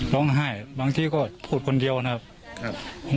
ร้องไห้บางทีก็พูดคนเดียวนะครับ